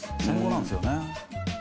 戦後なんですよね。